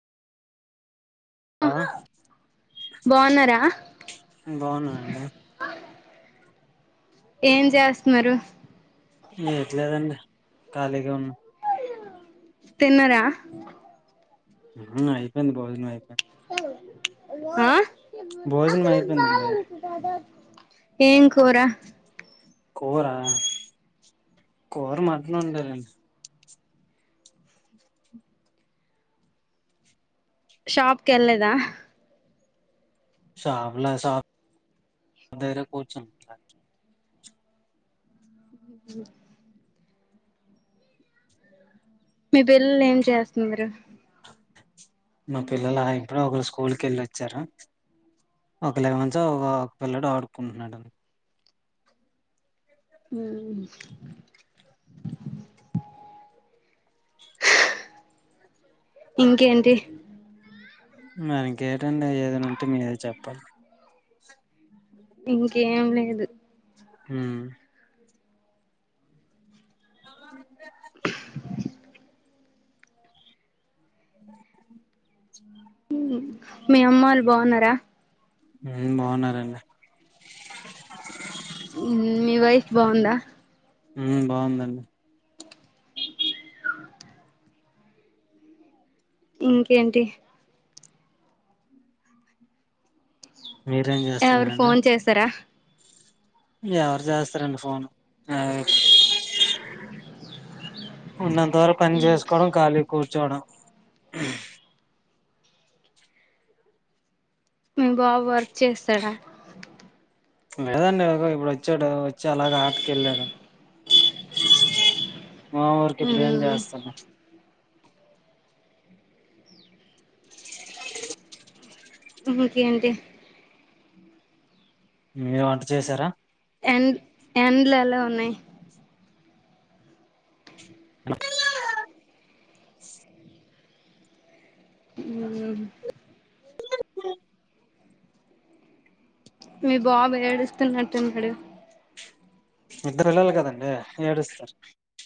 ఆ బాగున్నారా బాగున్నా అడి ఏం చేస్తున్నారురు ఇట్లేదండి కాలగా ఉన్నా తెన్నరా అయిపోందిడి బాజ అయిపోడి ఆ భోజనం అక్కడ అయిపోయిందండి బాగా దదా ఏం కోరా కూర కూర మాట్లో ఉండారండి షాప్ క ఎళ్ల్దా షబ్లా సార కూర్చు మీ పిల్లలు ఏం చేస్తున్నారు మా పిల్లలు ఇప్పుడు ఒకరు స్కూల్ క వెళ్ళి వచ్చారు ఒక ెవెంత్ ఒక ఒక పిల్లడు ఆడుకుంటున్నాడుని ఇంకేంటి మనకేటండి ఏదైనా ఉంటే మీరే చెప్పాలి ఇంకేం లేదు హ అ మీ అమ్మ వాళ్ళు బాగున్నారా బాగున్నారంండి మీ వైఫ్ బాగుందా బాగుందండి ఇంకేంటి మీరేం ఎవరు చేస్తున్నారండి ఫోన్ చేసారా ఎవరు చేస్తారండి ఫోను ఉన్నంత వరకు పని చేసుకోవడం ఖాళీ కూర్చోవడం మీ బావ వర్క్ చేస్తాడా లేదండి ఎవరో ఇప్పుడు వచ్చాడు వచ్చి అలాగ ఆటకెళ్ళారు మా వరికి ఇప్పుడు ఏం చేస్తాన్నా హ్మ్ హు ఇంకేంటి మీరు వంట చేసారా ఎండ్ ఎండ్లు ఎలా ఉన్నాయి మ్మ్ మీ బాబు ఏడుస్తున్నట్టున్నాడు ఇద్దరు పిల్లలు కదండి ఏడుస్తారు